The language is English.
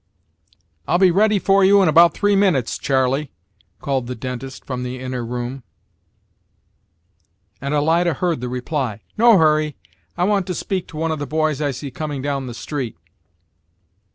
"I'll be ready for you in about three minutes, Charley!" called the dentist from the inner room; and Alida heard the reply, "No hurry. I want to speak to one of the boys I see coming down the street."